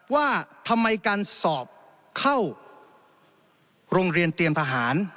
ว่าทำไมการสอบเข้าโรงเรียนเตรียมทหาร